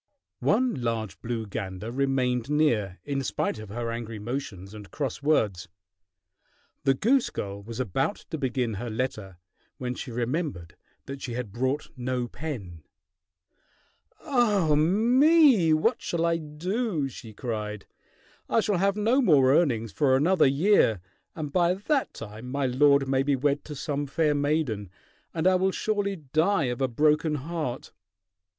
One large blue gander remained near, in spite of her angry motions and cross words. The goose girl was about to begin her letter when she remembered that she had brought no pen. "Ah me! What shall I do?" she cried. "I shall have no more earnings for another year, and by that time my lord may be wed to some fair maiden, and I will surely die of a broken heart!"